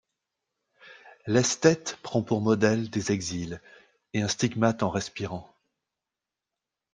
L'esthète prend pour modèles des exils et un stigmate en respirant.